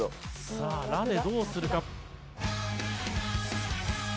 さあ「ら」でどうするか？